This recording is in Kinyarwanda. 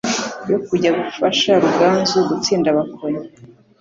yo kujya gufasha Ruganzu gutsinda Abakonya,